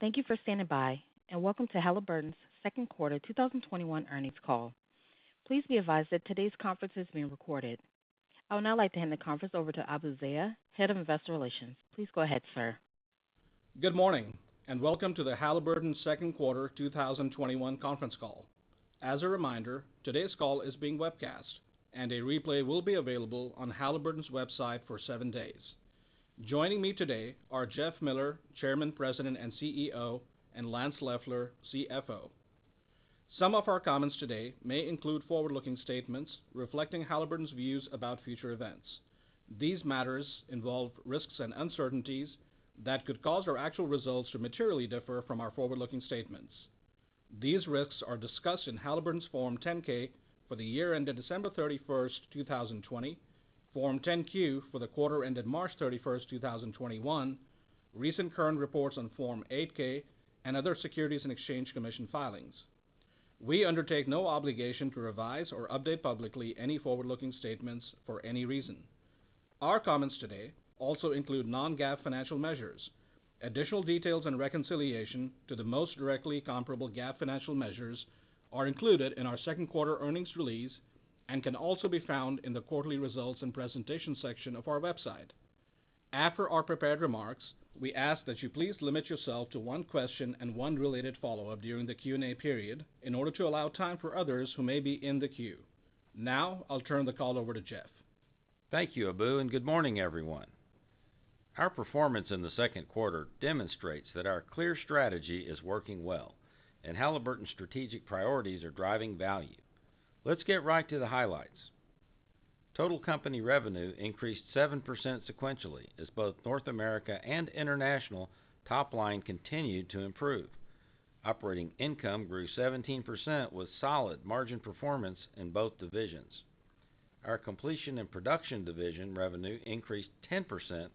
Thank you for standing by and welcome to Halliburton's second quarter 2021 earnings call. Please be advised that today's conference is being recorded. I would now like to hand the conference over to Abu Zeya, Head of Investor Relations. Please go ahead, sir. Good morning and welcome to the Halliburton second quarter 2021 conference call. As a reminder, today's call is being webcast, and a replay will be available on Halliburton's website for seven days. Joining me today are Jeff Miller, Chairman, President, and CEO, and Lance Loeffler, CFO. Some of our comments today may include forward-looking statements reflecting Halliburton's views about future events. These matters involve risks and uncertainties that could cause our actual results to materially differ from our forward-looking statements. These risks are discussed in Halliburton's Form 10-K for the year ended December 31st, 2020, Form 10-Q for the quarter ended March 31st, 2021, recent current reports on Form 8-K, and other Securities and Exchange Commission filings. We undertake no obligation to revise or update publicly any forward-looking statements for any reason. Our comments today also include non-GAAP financial measures. Additional details and reconciliation to the most directly comparable GAAP financial measures are included in our second quarter earnings release and can also be found in the quarterly results and presentation section of our website. After our prepared remarks, we ask that you please limit yourself to one question and one related follow-up during the Q&A period in order to allow time for others who may be in the queue. Now, I'll turn the call over to Jeff. Thank you Abu and good morning everyone. Our performance in the second quarter demonstrates that our clear strategy is working well and Halliburton's strategic priorities are driving value. Let's get right to the highlights. Total company revenue increased 7% sequentially as both North America and international top line continued to improve. Operating income grew 17% with solid margin performance in both divisions. Our Completion and Production division revenue increased 10%,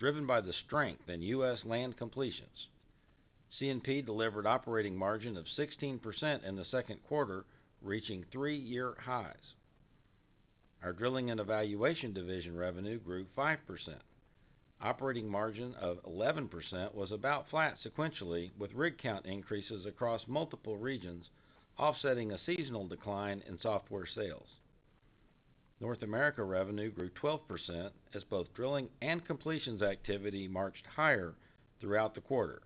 driven by the strength in U.S. land completions. C&P delivered operating margin of 16% in the second quarter, reaching three-year highs. Our Drilling and Evaluation division revenue grew 5%. Operating margin of 11% was about flat sequentially with rig count increases across multiple regions offsetting a seasonal decline in software sales. North America revenue grew 12% as both drilling and completions activity marched higher throughout the quarter.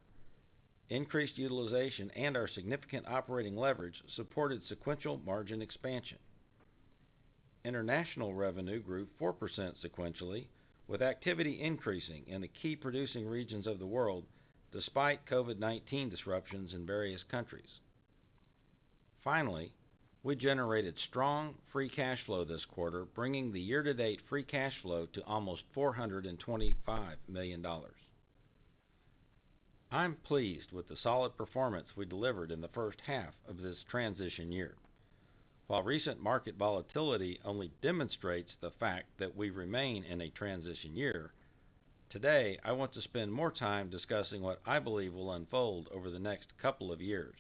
Increased utilization and our significant operating leverage supported sequential margin expansion. International revenue grew 4% sequentially with activity increasing in the key producing regions of the world despite COVID-19 disruptions in various countries. Finally, we generated strong free cash flow this quarter, bringing the year-to-date free cash flow to almost $425 million. I'm pleased with the solid performance we delivered in the first half of this transition year. While recent market volatility only demonstrates the fact that we remain in a transition year. Today, I want to spend more time discussing what I believe will unfold over the next couple of years.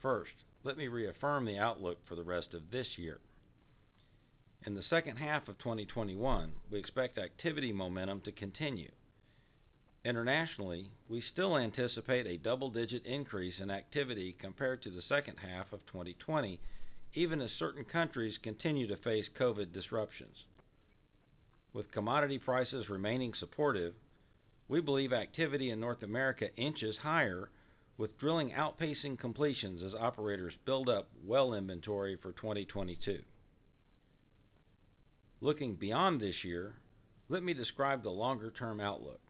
First, let me reaffirm the outlook for the rest of this year. In the second half of 2021, we expect activity momentum to continue. Internationally, we still anticipate a double-digit increase in activity compared to the second half of 2020, even as certain countries continue to face COVID disruptions. With commodity prices remaining supportive, we believe activity in North America inches higher with drilling outpacing completions as operators build up well inventory for 2022. Looking beyond this year, let me describe the longer-term outlook.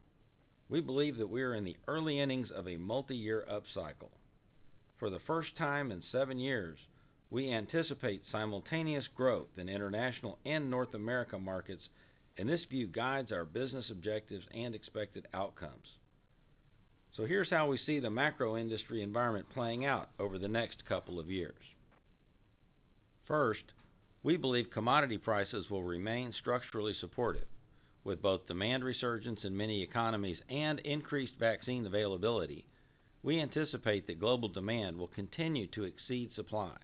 We believe that we are in the early innings of a multi-year upcycle. For the first time in seven years, we anticipate simultaneous growth in international and North America markets, and this view guides our business objectives and expected outcomes. Here's how we see the macro industry environment playing out over the next couple of years. First, we believe commodity prices will remain structurally supportive. With both demand resurgence in many economies and increased vaccine availability, we anticipate that global demand will continue to exceed supply,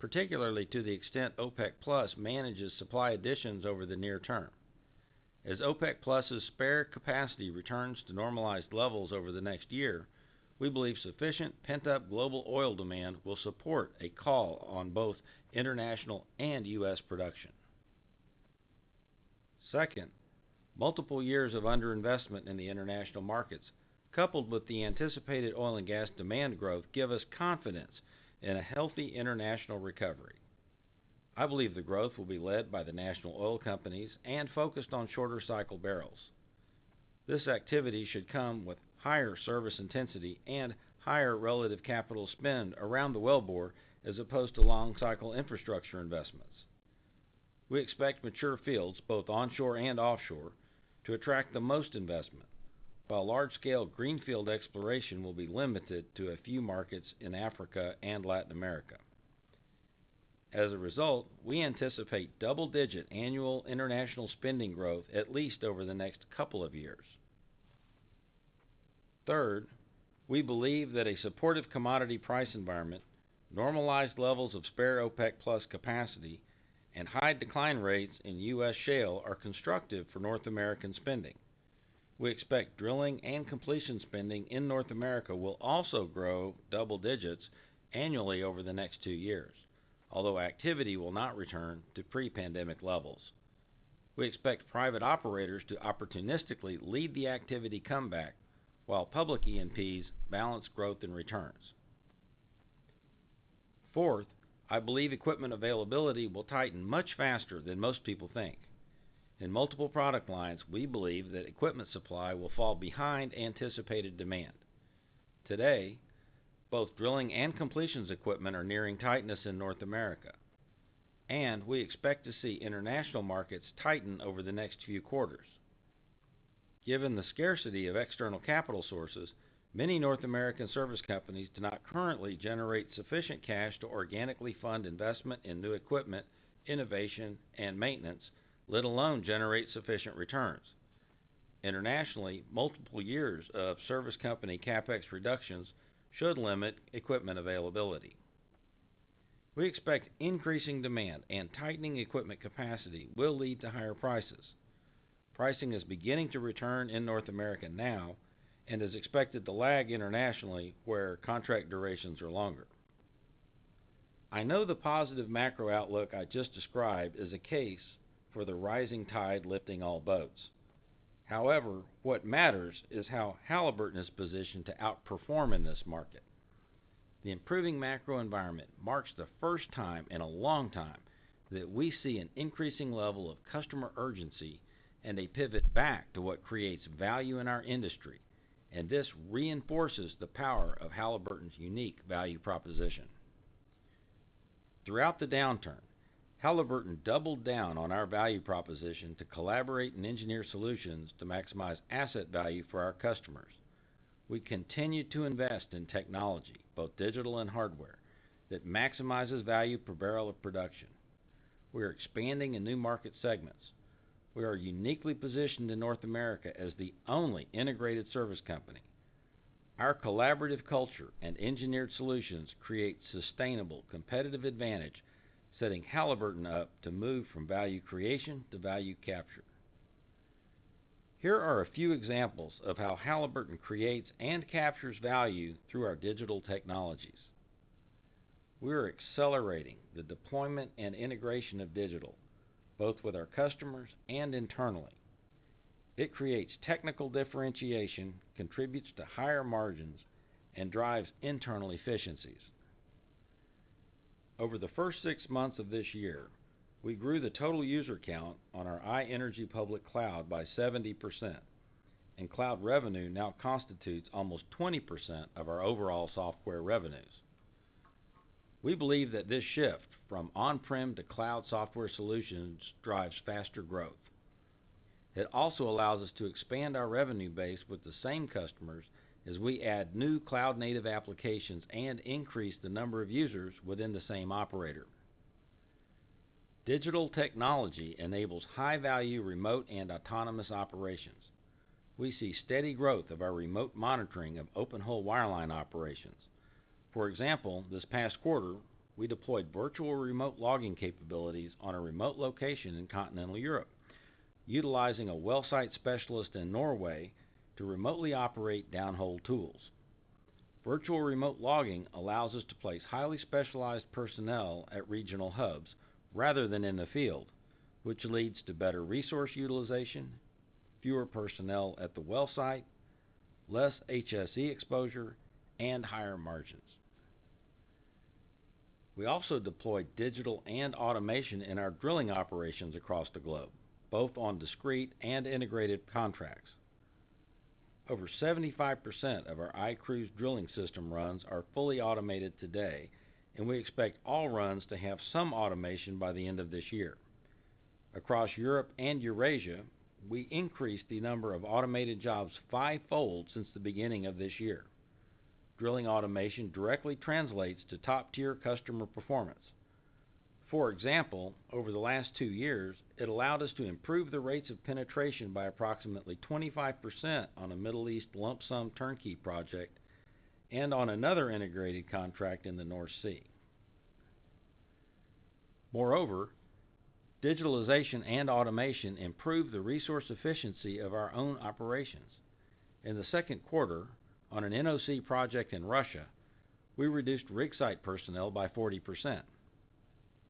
particularly to the extent OPEC+ manages supply additions over the near term. As OPEC+'s spare capacity returns to normalized levels over the next year, we believe sufficient pent-up global oil demand will support a call on both international and U.S. production. Second, multiple years of under-investment in the international markets, coupled with the anticipated oil and gas demand growth, give us confidence in a healthy international recovery. I believe the growth will be led by the National Oil Companies and focused on shorter cycle barrels. This activity should come with higher service intensity and higher relative capital spend around the wellbore as opposed to long cycle infrastructure investments. We expect mature fields, both onshore and offshore, to attract the most investment, while large-scale greenfield exploration will be limited to a few markets in Africa and Latin America. As a result, we anticipate double-digit annual international spending growth at least over the next couple of years. Third, we believe that a supportive commodity price environment, normalized levels of spare OPEC+ capacity and high decline rates in U.S. shale are constructive for North American spending. We expect drilling and completion spending in North America will also grow double digits annually over the next two years, although activity will not return to pre-pandemic levels. We expect private operators to opportunistically lead the activity comeback while public E&Ps balance growth and returns. Fourth, I believe equipment availability will tighten much faster than most people think. In multiple product lines, we believe that equipment supply will fall behind anticipated demand. Today, both drilling and completions equipment are nearing tightness in North America, and we expect to see international markets tighten over the next few quarters. Given the scarcity of external capital sources, many North American service companies do not currently generate sufficient cash to organically fund investment in new equipment, innovation, and maintenance, let alone generate sufficient returns. Internationally, multiple years of service company CapEx reductions should limit equipment availability. We expect increasing demand and tightening equipment capacity will lead to higher prices. Pricing is beginning to return in North America now and is expected to lag internationally, where contract durations are longer. I know the positive macro outlook I just described is a case for the rising tide lifting all boats. However, what matters is how Halliburton is positioned to outperform in this market. The improving macro environment marks the first time in a long time that we see an increasing level of customer urgency and a pivot back to what creates value in our industry, and this reinforces the power of Halliburton's unique value proposition. Throughout the downturn, Halliburton doubled down on our value proposition to collaborate and engineer solutions to maximize asset value for our customers. We continue to invest in technology, both digital and hardware, that maximizes value per barrel of production. We are expanding in new market segments. We are uniquely positioned in North America as the one integrated service company. Our collaborative culture and engineered solutions create sustainable competitive advantage, setting Halliburton up to move from value creation to value capture. Here are a few examples of how Halliburton creates and captures value through our digital technologies. We are accelerating the deployment and integration of digital, both with our customers and internally. It creates technical differentiation, contributes to higher margins, and drives internal efficiencies. Over the first six months of this year, we grew the total user count on our iEnergy public cloud by 70%, and cloud revenue now constitutes almost 20% of our overall software revenues. We believe that this shift from on-prem to cloud software solutions drives faster growth. It also allows us to expand our revenue base with the same customers as we add new cloud-native applications and increase the number of users within the same operator. Digital technology enables high-value remote and autonomous operations. We see steady growth of our remote monitoring of open-hole wireline operations. For example, this past quarter, we deployed virtual remote logging capabilities on a remote location in continental Europe, utilizing a well site specialist in Norway to remotely operate downhole tools. Virtual remote logging allows us to place highly specialized personnel at regional hubs rather than in the field, which leads to better resource utilization, fewer personnel at the well site, less HSE exposure, and higher margins. We also deployed digital and automation in our drilling operations across the globe, both on discrete and integrated contracts. Over 75% of our iCruise drilling system runs are fully automated today, and we expect all runs to have some automation by the end of this year. Across Europe and Eurasia, we increased the number of automated jobs fivefold since the beginning of this year. Drilling automation directly translates to top-tier customer performance. For example, over the last two years, it allowed us to improve the rates of penetration by approximately 25% on a Middle East lump-sum turnkey project and on another integrated contract in the North Sea. Moreover, digitalization and automation improve the resource efficiency of our own operations. In the second quarter, on an NOC project in Russia, we reduced rig site personnel by 40%.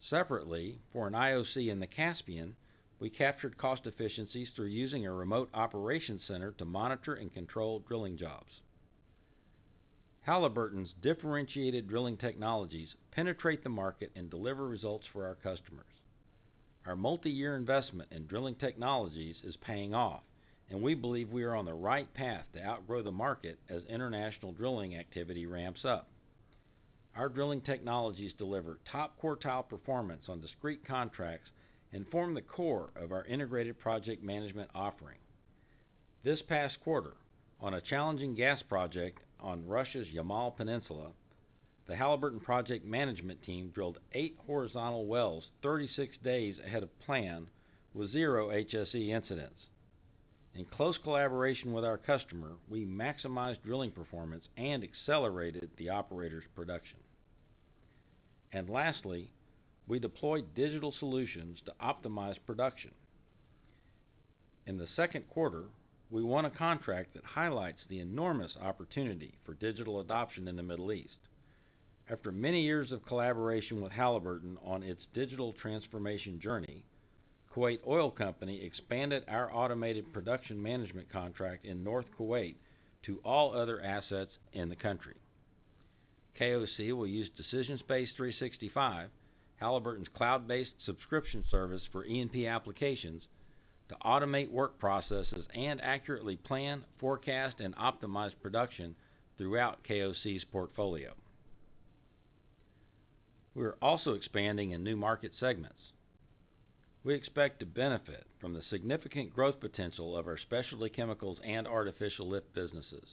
Separately, for an IOC in the Caspian, we captured cost efficiencies through using a remote operation center to monitor and control drilling jobs. Halliburton's differentiated drilling technologies penetrate the market and deliver results for our customers. Our multi-year investment in drilling technologies is paying off, and we believe we are on the right path to outgrow the market as international drilling activity ramps up. Our drilling technologies deliver top-quartile performance on discrete contracts and form the core of our integrated project management offering. This past quarter, on a challenging gas project on Russia's Yamal Peninsula, the Halliburton project management team drilled eight horizontal wells 36 days ahead of plan with zero HSE incidents. In close collaboration with our customer, we maximized drilling performance and accelerated the operator's production. Lastly, we deployed digital solutions to optimize production. In the second quarter, we won a contract that highlights the enormous opportunity for digital adoption in the Middle East. After many years of collaboration with Halliburton on its digital transformation journey, Kuwait Oil Company expanded our automated production management contract in North Kuwait to all other assets in the country. KOC will use DecisionSpace 365, Halliburton's cloud-based subscription service for E&P applications, to automate work processes and accurately plan, forecast, and optimize production throughout KOC's portfolio. We are also expanding in new market segments. We expect to benefit from the significant growth potential of our specialty chemicals and artificial lift businesses,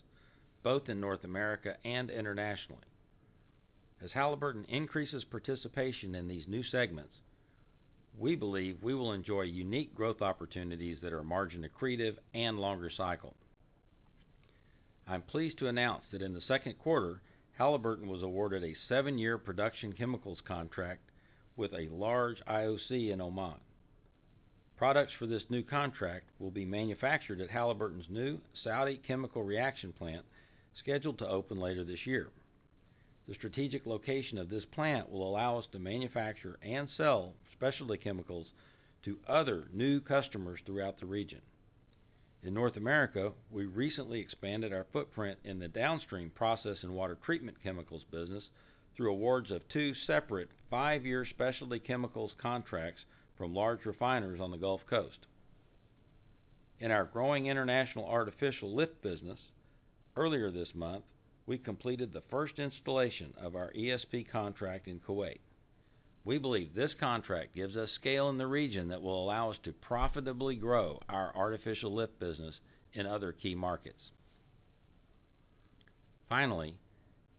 both in North America and internationally. As Halliburton increases participation in these new segments, we believe we will enjoy unique growth opportunities that are margin-accretive and longer cycle. I'm pleased to announce that in the second quarter, Halliburton was awarded a seven-year production chemicals contract with a large IOC in Oman. Products for this new contract will be manufactured at Halliburton's new Saudi chemical reaction plant, scheduled to open later this year. The strategic location of this plant will allow us to manufacture and sell specialty chemicals to other new customers throughout the region. In North America, we recently expanded our footprint in the downstream process and water treatment chemicals business through awards of two separate five-year specialty chemicals contracts from large refiners on the Gulf Coast. In our growing international artificial lift business, earlier this month, we completed the first installation of our ESP contract in Kuwait. We believe this contract gives us scale in the region that will allow us to profitably grow our artificial lift business in other key markets. Finally,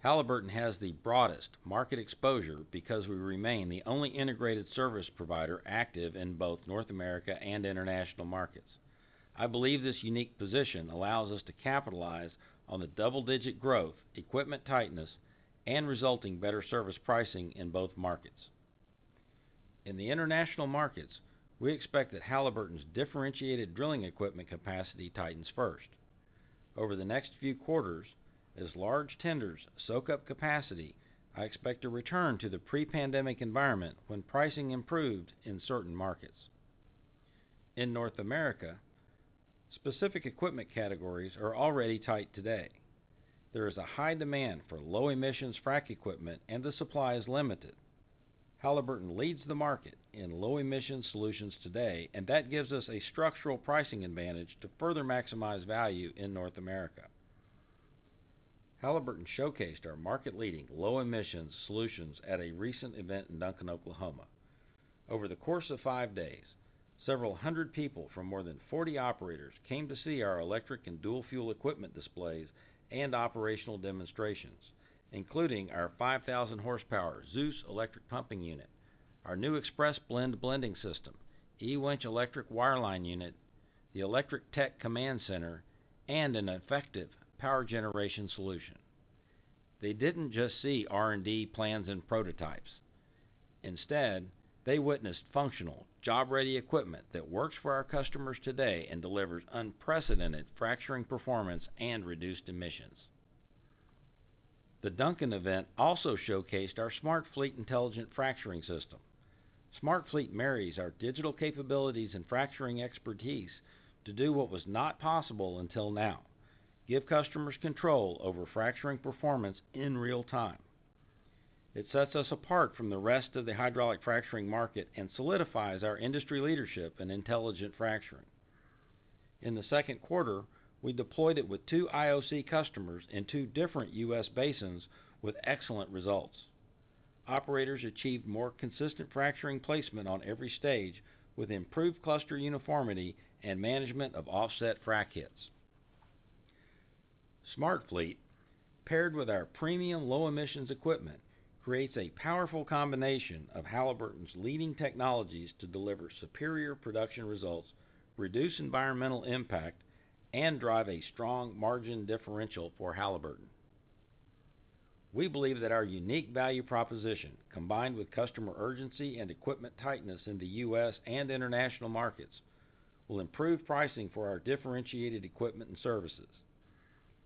Halliburton has the broadest market exposure because we remain the only integrated service provider active in both North America and international markets. I believe this unique position allows us to capitalize on the double-digit growth, equipment tightness, and resulting better service pricing in both markets. In the international markets, we expect that Halliburton's differentiated drilling equipment capacity tightens first. Over the next few quarters, as large tenders soak up capacity, I expect a return to the pre-pandemic environment when pricing improved in certain markets. In North America, specific equipment categories are already tight today. There is a high demand for low-emissions frac equipment, and the supply is limited. Halliburton leads the market in low-emission solutions today, and that gives us a structural pricing advantage to further maximize value in North America. Halliburton showcased our market-leading low-emissions solutions at a recent event in Duncan, Oklahoma. Over the course of five days, several hundred people from more than 40 operators came to see our electric and dual-fuel equipment displays and operational demonstrations, including our 5,000 horsepower ZEUS electric pumping unit, our new ExpressBlend blending system, eWinch electric wireline unit, the Electric Tech Command Center, and an effective power generation solution. They didn't just see R&D plans and prototypes. Instead, they witnessed functional, job-ready equipment that works for our customers today and delivers unprecedented fracturing performance and reduced emissions. The Duncan event also showcased our SmartFleet intelligent fracturing system. SmartFleet marries our digital capabilities and fracturing expertise to do what was not possible until now: give customers control over fracturing performance in real time. It sets us apart from the rest of the hydraulic fracturing market and solidifies our industry leadership in intelligent fracturing. In the second quarter, we deployed it with two IOC customers and two different U.S. basins with excellent results. Operators achieved more consistent fracturing placement on every stage, with improved cluster uniformity and management of offset frac hits. SmartFleet, paired with our premium low-emissions equipment, creates a powerful combination of Halliburton's leading technologies to deliver superior production results, reduce environmental impact, and drive a strong margin differential for Halliburton. We believe that our unique value proposition, combined with customer urgency and equipment tightness in the U.S. and international markets, will improve pricing for our differentiated equipment and services.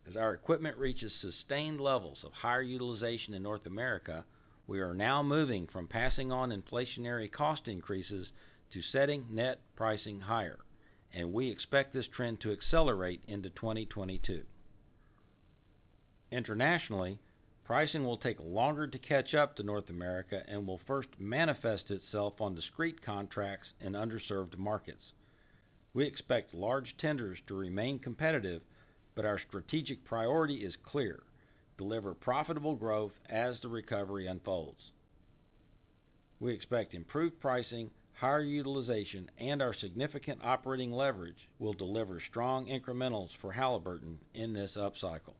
As our equipment reaches sustained levels of higher utilization in North America, we are now moving from passing on inflationary cost increases to setting net pricing higher, and we expect this trend to accelerate into 2022. Internationally, pricing will take longer to catch up to North America and will first manifest itself on discrete contracts in underserved markets. We expect large tenders to remain competitive, but our strategic priority is clear: deliver profitable growth as the recovery unfolds. We expect improved pricing, higher utilization, and our significant operating leverage will deliver strong incrementals for Halliburton in this upcycle.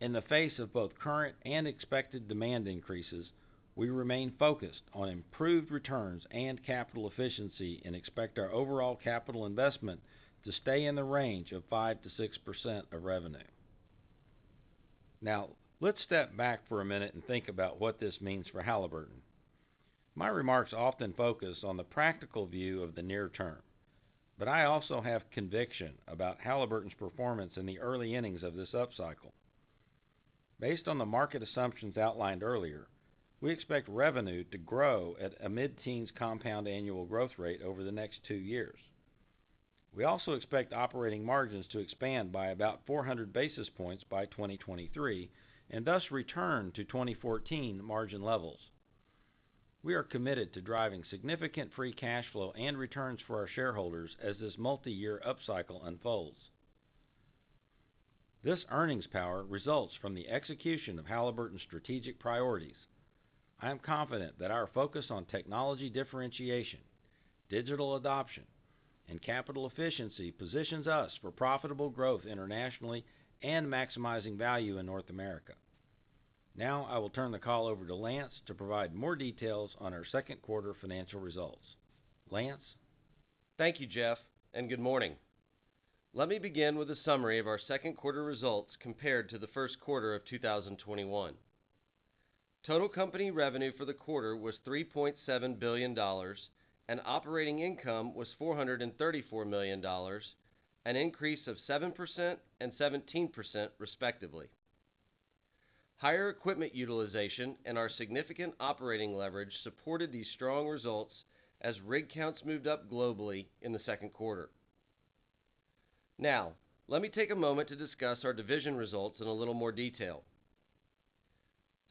In the face of both current and expected demand increases, we remain focused on improved returns and capital efficiency and expect our overall capital investment to stay in the range of 5%-6% of revenue. Now, let's step back for 1-minute and think about what this means for Halliburton. My remarks often focus on the practical view of the near term, but I also have conviction about Halliburton's performance in the early innings of this upcycle. Based on the market assumptions outlined earlier, we expect revenue to grow at a mid-teens compound annual growth rate over the next two years. We also expect operating margins to expand by about 400 basis points by 2023, and thus return to 2014 margin levels. We are committed to driving significant free cash flow and returns for our shareholders as this multi-year upcycle unfolds. This earnings power results from the execution of Halliburton's strategic priorities. I am confident that our focus on technology differentiation, digital adoption, and capital efficiency positions us for profitable growth internationally and maximizing value in North America. Now, I will turn the call over to Lance to provide more details on our second quarter financial results. Lance? Thank you Jeff and good morning. Let me begin with a summary of our second quarter results compared to the first quarter of 2021. Total company revenue for the quarter was $3.7 billion and operating income was $434 million, an increase of 7% and 17%, respectively. Higher equipment utilization and our significant operating leverage supported these strong results as rig counts moved up globally in the second quarter. Now, let me take a moment to discuss our division results in a little more detail.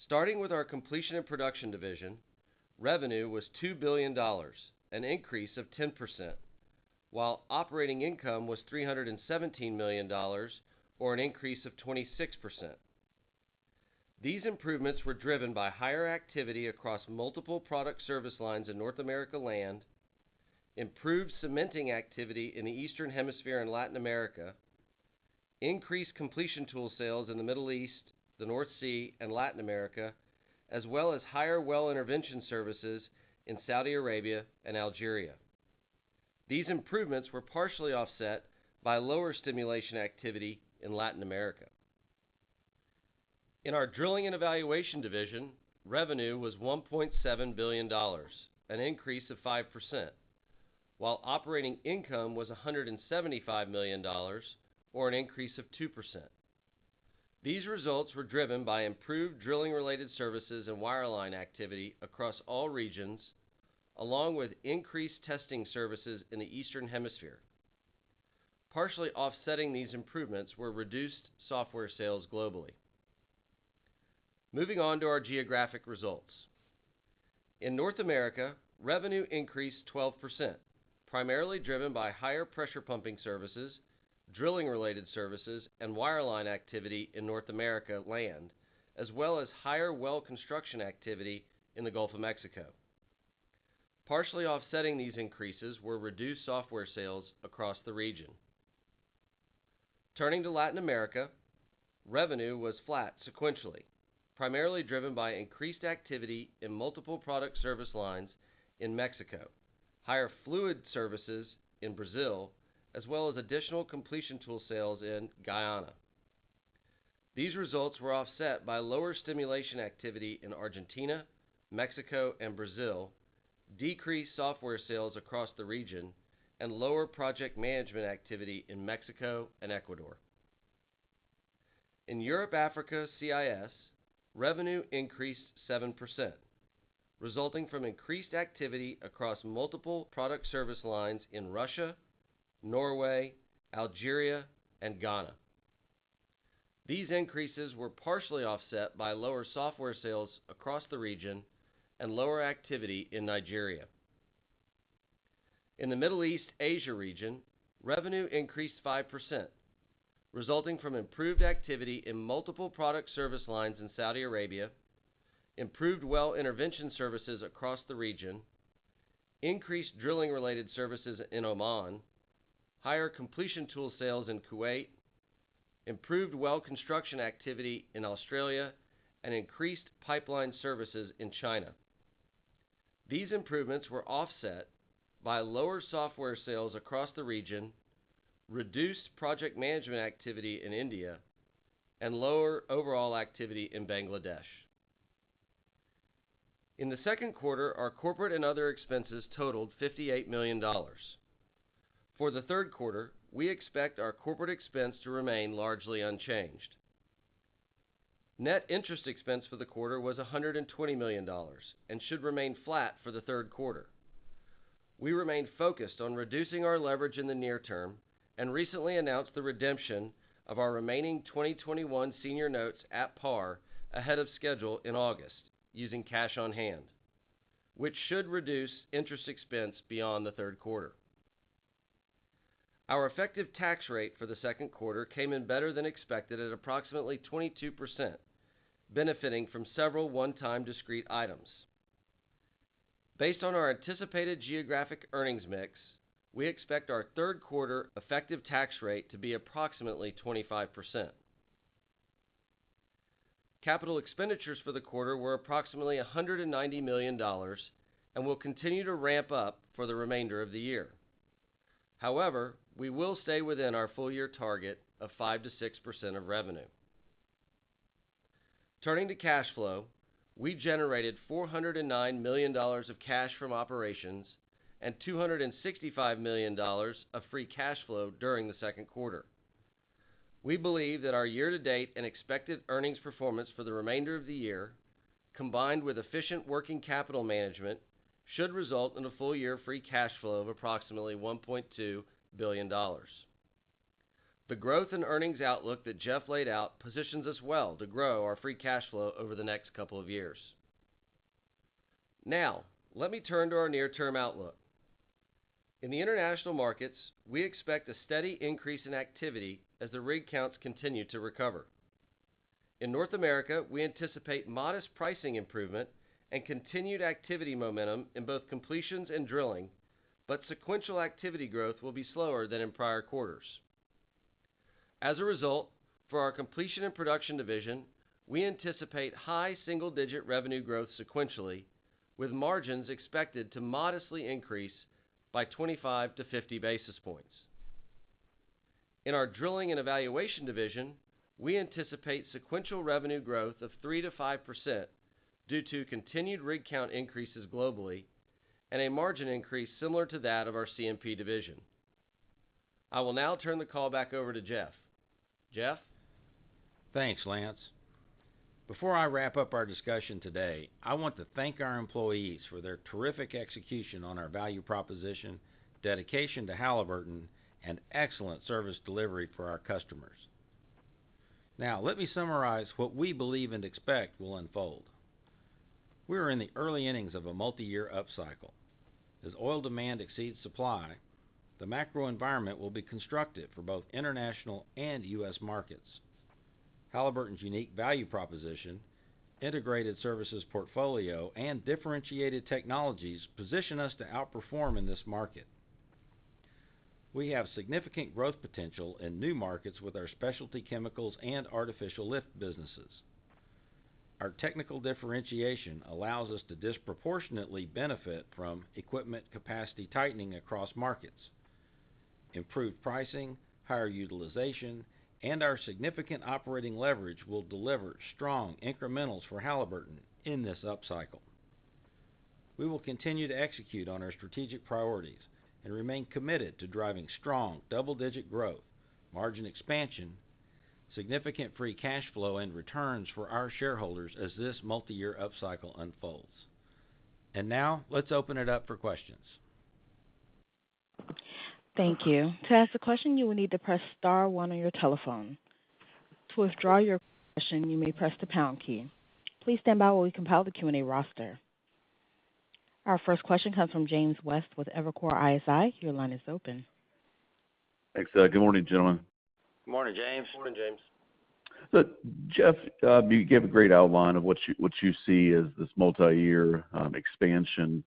Starting with our Completion and Production division, revenue was $2 billion, an increase of 10%, while operating income was $317 million, or an increase of 26%. These improvements were driven by higher activity across multiple product service lines in North America Land, improved cementing activity in the Eastern Hemisphere and Latin America, increased completion tool sales in the Middle East, the North Sea and Latin America, as well as higher well intervention services in Saudi Arabia and Algeria. These improvements were partially offset by lower stimulation activity in Latin America. In our Drilling and Evaluation division, revenue was $1.7 billion, an increase of 5%, while operating income was $175 million, or an increase of 2%. These results were driven by improved drilling-related services and wireline activity across all regions, along with increased testing services in the Eastern Hemisphere. Partially offsetting these improvements were reduced software sales globally. Moving on to our geographic results. In North America, revenue increased 12%, primarily driven by higher pressure pumping services, drilling-related services, and wireline activity in North America Land, as well as higher well construction activity in the Gulf of Mexico. Partially offsetting these increases were reduced software sales across the region. Turning to Latin America, revenue was flat sequentially, primarily driven by increased activity in multiple product service lines in Mexico, higher fluid services in Brazil, as well as additional completion tool sales in Guyana. These results were offset by lower stimulation activity in Argentina, Mexico, and Brazil, decreased software sales across the region, and lower project management activity in Mexico and Ecuador. In Europe, Africa, CIS, revenue increased 7%, resulting from increased activity across multiple product service lines in Russia, Norway, Algeria, and Ghana. These increases were partially offset by lower software sales across the region and lower activity in Nigeria. In the Middle East/Asia region, revenue increased 5%, resulting from improved activity in multiple product service lines in Saudi Arabia, improved well intervention services across the region, increased drilling-related services in Oman, higher completion tool sales in Kuwait, improved well construction activity in Australia, and increased pipeline services in China. These improvements were offset by lower software sales across the region, reduced project management activity in India, and lower overall activity in Bangladesh. In the second quarter, our corporate and other expenses totaled $58 million. For the third quarter, we expect our corporate expense to remain largely unchanged. Net interest expense for the quarter was $120 million and should remain flat for the third quarter. We remain focused on reducing our leverage in the near term and recently announced the redemption of our remaining 2021 senior notes at par ahead of schedule in August using cash on hand, which should reduce interest expense beyond the third quarter. Our effective tax rate for the second quarter came in better than expected at approximately 22%, benefiting from several one-time discrete items. Based on our anticipated geographic earnings mix, we expect our third quarter effective tax rate to be approximately 25%. Capital expenditures for the quarter were approximately $190 million and will continue to ramp up for the remainder of the year. However, we will stay within our full-year target of 5%-6% of revenue. Turning to cash flow. We generated $409 million of cash from operations and $265 million of free cash flow during the second quarter. We believe that our year-to-date and expected earnings performance for the remainder of the year, combined with efficient working capital management, should result in a full-year free cash flow of approximately $1.2 billion. The growth and earnings outlook that Jeff laid out positions us well to grow our free cash flow over the next couple of years. Now, let me turn to our near-term outlook. In the international markets, we expect a steady increase in activity as the rig counts continue to recover. In North America, we anticipate modest pricing improvement and continued activity momentum in both completions and drilling, but sequential activity growth will be slower than in prior quarters. As a result, for our Completion and Production division, we anticipate high single-digit revenue growth sequentially, with margins expected to modestly increase by 25-50 basis points. In our Drilling and Evaluation division, we anticipate sequential revenue growth of 3%-5% due to continued rig count increases globally and a margin increase similar to that of our C&P division. I will now turn the call back over to Jeff. Jeff? Thanks Lance. Before I wrap up our discussion today, I want to thank our employees for their terrific execution on our value proposition, dedication to Halliburton, and excellent service delivery for our customers. Let me summarize what we believe and expect will unfold. We are in the early innings of a multi-year upcycle. As oil demand exceeds supply, the macro environment will be constructive for both international and U.S. markets. Halliburton's unique value proposition, integrated services portfolio, and differentiated technologies position us to outperform in this market. We have significant growth potential in new markets with our specialty chemicals and artificial lift businesses. Our technical differentiation allows us to disproportionately benefit from equipment capacity tightening across markets. Improved pricing, higher utilization, and our significant operating leverage will deliver strong incrementals for Halliburton in this upcycle. We will continue to execute on our strategic priorities and remain committed to driving strong double-digit growth, margin expansion, significant free cash flow, and returns for our shareholders as this multi-year upcycle unfolds. Now, let's open it up for questions. Thank you. To ask a question, you will need to press star one on your telephone. To withdraw your question, you may press the pound key. Please stand by while we compile the Q&A roster. Our first question comes from James West with Evercore ISI. Your line is open. Thanks. Good morning gentlemen. Good morning James. Good morning James. Look, Jeff, you gave a great outline of what you see as this multi-year expansion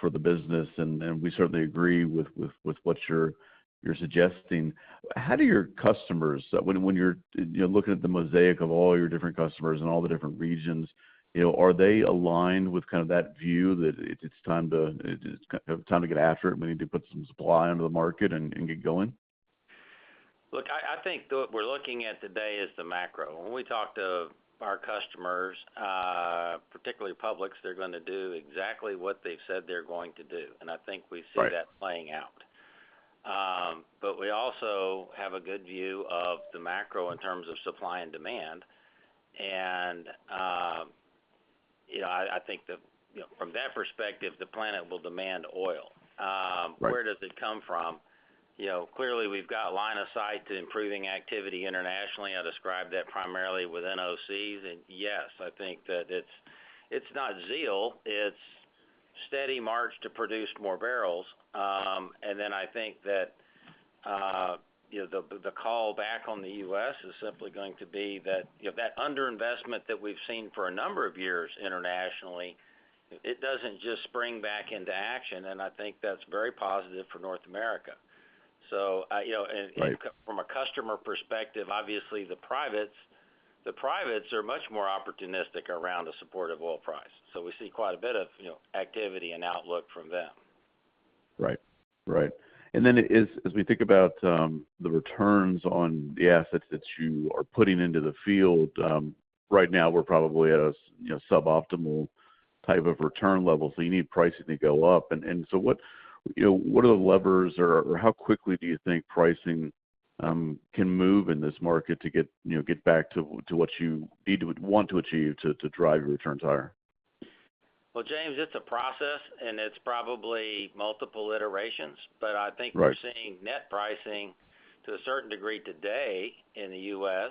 for the business, and we certainly agree with what you're suggesting. How do your customers, when you're looking at the mosaic of all your different customers and all the different regions, are they aligned with that view that it's time to get after it, and we need to put some supply into the market and get going? Look, I think what we're looking at today is the macro. When we talk to our customers, particularly publics, they're going to do exactly what they've said they're going to do. I think we see that playing out. Right. We also have a good view of the macro in terms of supply and demand. I think that from that perspective, the planet will demand oil. Right. Where does it come from? Clearly, we've got a line of sight to improving activity internationally. I describe that primarily with NOCs, yes, I think that it's not zeal, it's steady march to produce more barrels. I think that the call back on the U.S. is simply going to be that underinvestment that we've seen for a number of years internationally, it doesn't just spring back into action, and I think that's very positive for North America. From a customer perspective, obviously the privates are much more opportunistic around the support of oil price. We see quite a bit of activity and outlook from them. Right. As we think about the returns on the assets that you are putting into the field, right now we're probably at a suboptimal type of return level. You need pricing to go up. What are the levers or how quickly do you think pricing can move in this market to get back to what you need to want to achieve to drive your returns higher? Well, James, it's a process, and it's probably multiple iterations. Right. I think we're seeing net pricing to a certain degree today in the U.S.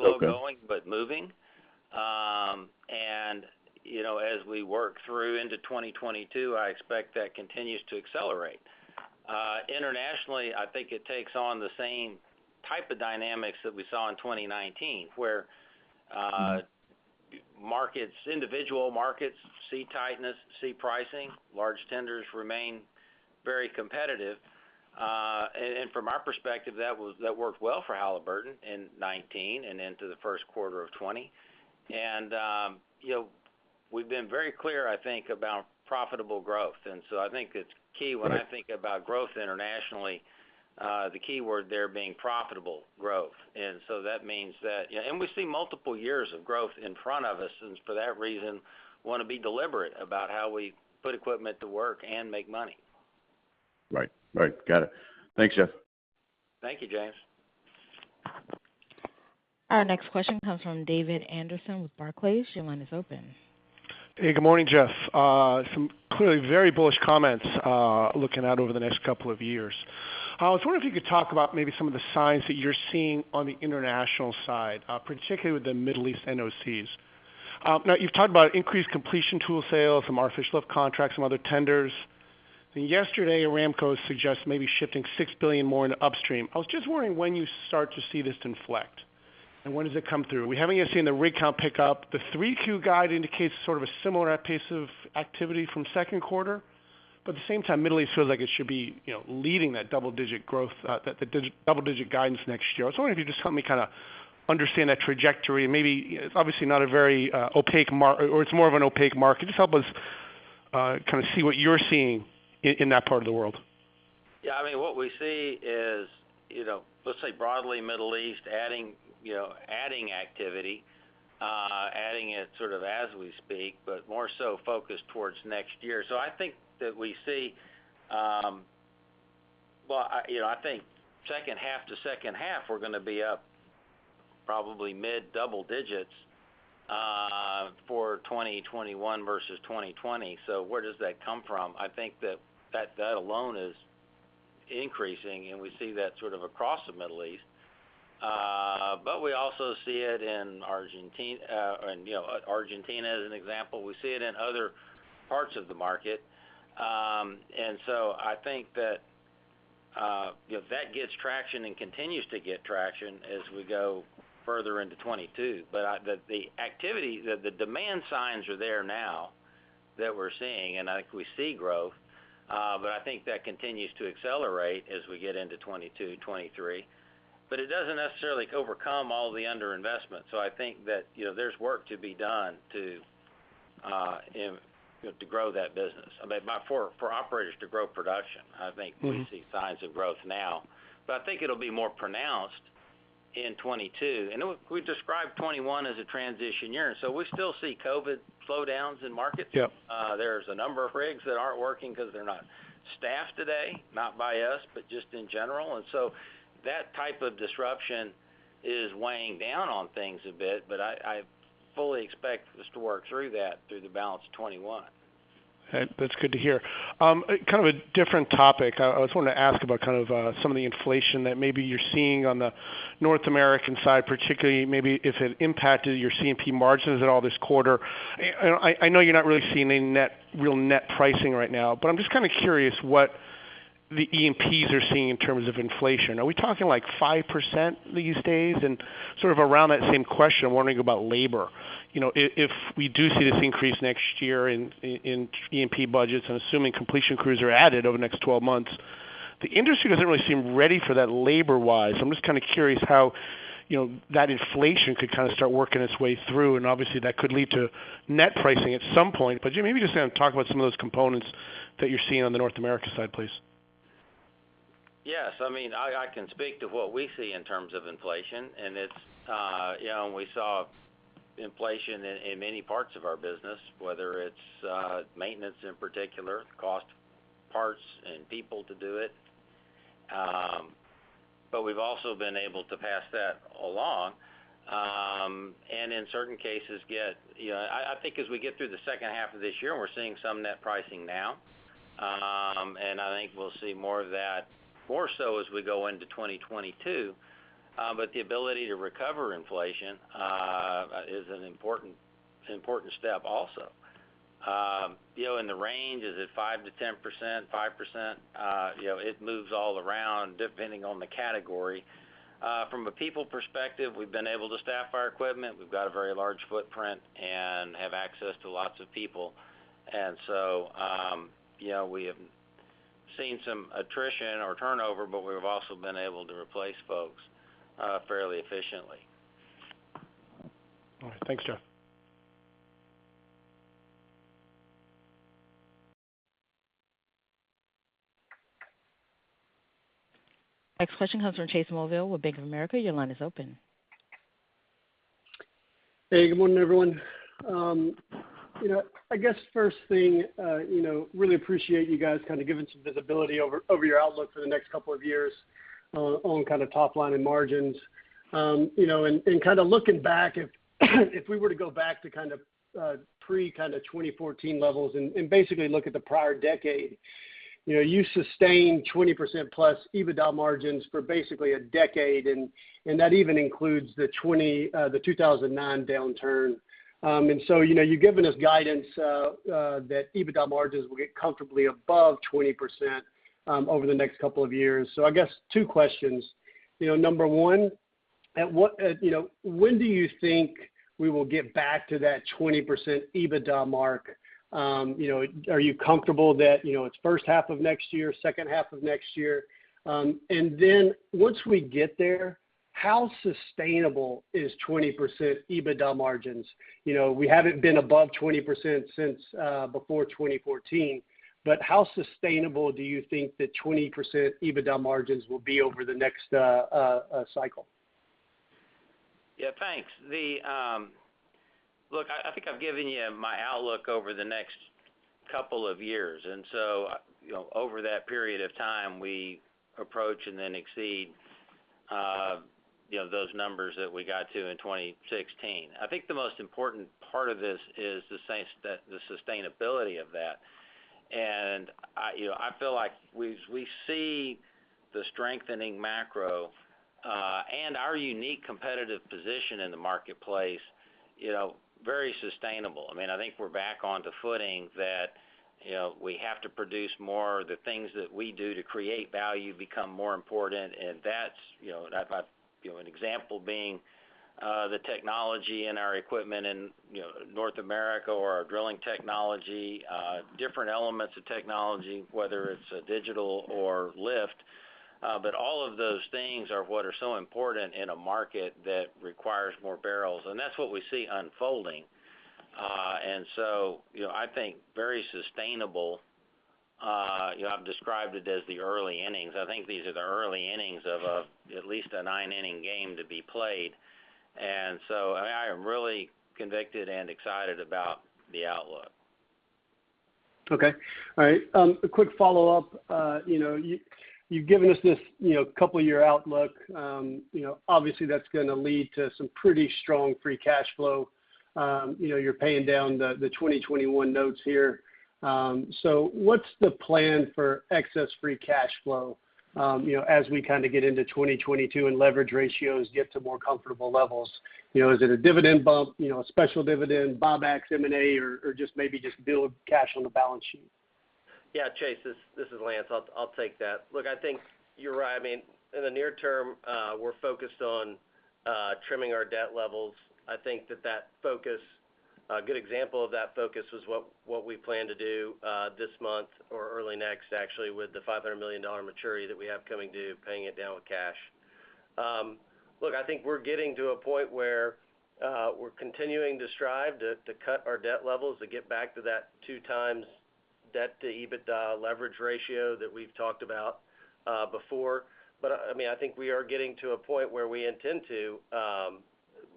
Okay. Slow going, but moving. As we work through into 2022, I expect that continues to accelerate. Internationally, I think it takes on the same type of dynamics that we saw in 2019, where individual markets see tightness, see pricing, large tenders remain very competitive. From our perspective, that worked well for Halliburton in 2019 and into the first quarter of 2020. We've been very clear, I think, about profitable growth. I think it's key when I think about growth internationally, the key word there being profitable growth. We see multiple years of growth in front of us, and for that reason, want to be deliberate about how we put equipment to work and make money. Right. Got it. Thanks Jeff. Thank you James. Our next question comes from David Anderson with Barclays. Your line is open. Hey, good morning Jeff. Some clearly very bullish comments, looking out over the next couple of years. I was wondering if you could talk about maybe some of the signs that you're seeing on the international side, particularly with the Middle East NOCs. Now, you've talked about increased completion tool sales from artificial lift contracts and other tenders. Yesterday, Aramco suggests maybe shifting $6 billion more into upstream. I was just wondering when you start to see this inflect, and when does it come through? We haven't yet seen the rig count pick up. The 3Q guide indicates sort of a similar pace of activity from second quarter. At the same time Middle East feels like it should be leading that double-digit growth, the double-digit guidance next year. I was wondering if you could just help me kind of understand that trajectory. It's more of an opaque market. Just help us kind of see what you're seeing in that part of the world. Yeah. What we see is, let's say broadly, Middle East adding activity, adding it sort of as we speak, but more so focused towards next year. I think second half to second half, we're going to be up probably mid-double digits for 2021 versus 2020. Where does that come from? I think that alone is increasing, and we see that sort of across the Middle East. We also see it in Argentina, as an example. We see it in other parts of the market. I think that gets traction and continues to get traction as we go further into 2022. The demand signs are there now that we're seeing, and I think we see growth. I think that continues to accelerate as we get into 2022, 2023. It doesn't necessarily overcome all the under-investment. I think that there's work to be done to grow that business. For operators to grow production, I think we see signs of growth now. I think it'll be more pronounced in 2022. We described 2021 as a transition year. We still see COVID slowdowns in markets. Yep. There's a number of rigs that aren't working because they're not staffed today, not by us, but just in general. That type of disruption is weighing down on things a bit. I fully expect us to work through that through the balance of 2021. That's good to hear. Kind of a different topic. I just wanted to ask about some of the inflation that maybe you're seeing on the North American side, particularly maybe if it impacted your C&P margins at all this quarter. I know you're not really seeing any real net pricing right now, but I'm just kind of curious what the E&Ps are seeing in terms of inflation. Are we talking like 5% these days? Sort of around that same question, I'm wondering about labor. If we do see this increase next year in E&P budgets, and assuming completion crews are added over the next 12 months, the industry doesn't really seem ready for that labor-wise. I'm just kind of curious how that inflation could kind of start working its way through, and obviously that could lead to net pricing at some point. Maybe just talk about some of those components that you're seeing on the North America side, please. Yes. I can speak to what we see in terms of inflation, we saw inflation in many parts of our business, whether it's maintenance in particular, cost of parts, and people to do it. We've also been able to pass that along. I think as we get through the second half of this year, we're seeing some net pricing now, I think we'll see more of that more so as we go into 2022. The ability to recover inflation is an important step also. In the range, is it 5%-10%, 5%? It moves all around depending on the category. From a people perspective, we've been able to staff our equipment. We've got a very large footprint and have access to lots of people. We have seen some attrition or turnover, but we've also been able to replace folks fairly efficiently. All right. Thanks Jeff. Next question comes from Chase Mulvehill with Bank of America. Your line is open. Hey, good morning everyone. I guess first thing, really appreciate you guys kind of giving some visibility over your outlook for the next two years on kind of top line and margins. Kind of looking back, if we were to go back to kind of pre-2014 levels and basically look at the prior a decade, you sustained 20%+ EBITDA margins for basically a decade, and that even includes the 2009 downturn. You've given us guidance that EBITDA margins will get comfortably above 20% over the next two years. I guess two questions. Number one, When do you think we will get back to that 20% EBITDA mark? Are you comfortable that it's first half of next year, second half of next year? Once we get there, how sustainable is 20% EBITDA margins? We haven't been above 20% since before 2014. How sustainable do you think that 20% EBITDA margins will be over the next cycle? Yeah, thanks. Look, I think I've given you my outlook over the next two years. Over that period of time, we approach and then exceed those numbers that we got to in 2016. I think the most important part of this is the sustainability of that. I feel like we see the strengthening macro, and our unique competitive position in the marketplace, very sustainable. I think we're back onto footing that we have to produce more. The things that we do to create value become more important, and an example being the technology in our equipment in North America or our drilling technology, different elements of technology, whether it's digital or lift. All of those things are what are so important in a market that requires more barrels, and that's what we see unfolding. I think very sustainable. I've described it as the early innings. I think these are the early innings of at least a nine-inning game to be played, and so I am really convicted and excited about the outlook. Okay. All right. A quick follow-up. You've given us this couple year outlook. Obviously, that's going to lead to some pretty strong free cash flow. You're paying down the 2021 notes here. What's the plan for excess free cash flow as we kind of get into 2022 and leverage ratios get to more comfortable levels? Is it a dividend bump, a special dividend, buybacks, M&A, or just maybe just build cash on the balance sheet? Yeah, Chase Mulvehill, this is Lance Loeffler. I'll take that. Look, I think you're right. In the near term, we're focused on trimming our debt levels. I think that a good example of that focus is what we plan to do this month or early next, actually, with the $500 million maturity that we have coming due, paying it down with cash. Look, I think we're getting to a point where we're continuing to strive to cut our debt levels to get back to that 2x debt-to-EBITDA leverage ratio that we've talked about before. I think we are getting to a point where we intend to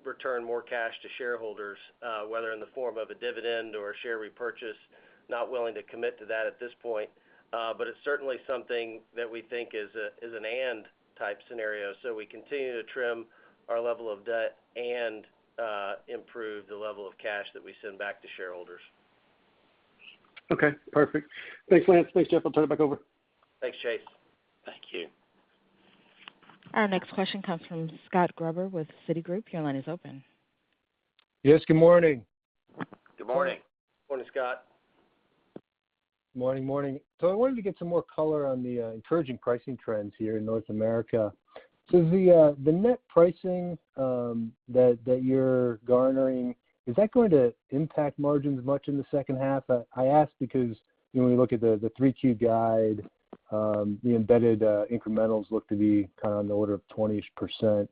return more cash to shareholders, whether in the form of a dividend or a share repurchase. Not willing to commit to that at this point. It's certainly something that we think is an and type scenario. We continue to trim our level of debt and improve the level of cash that we send back to shareholders. Okay perfect. Thanks Lance. Thanks Jeff. I'll turn it back over. Thanks Chase. Thank you. Our next question comes from Scott Gruber with Citigroup. Your line is open. Yes good morning. Good morning. Morning Scott. Morning. Morning. I wanted to get some more color on the encouraging pricing trends here in North America. The net pricing that you're garnering, is that going to impact margins much in the second half? I ask because when we look at the 3Q guide, the embedded incrementals look to be on the order of 20-ish%.